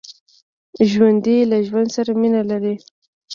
ژوندي له ژوند سره مینه لري